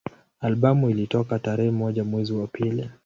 Albamu ilitoka tarehe moja mwezi wa pili